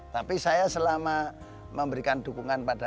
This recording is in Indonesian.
tapi saya selama memberikan dukungan pada